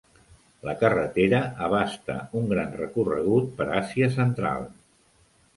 La carretera abasta un gran recorregut per Àsia Central.